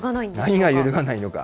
何が揺るがないのか。